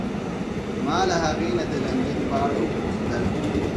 ما له هغې نه د لندن په اړه وپوښتل.